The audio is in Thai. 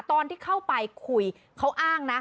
ตอนที่เข้าไปคุยเขาอ้างนะ